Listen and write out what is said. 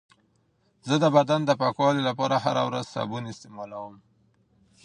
زه د بدن د پاکوالي لپاره هره ورځ صابون استعمالوم.